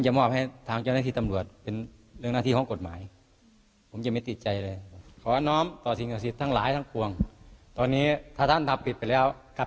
ดูบ้านเมืองไหนครับ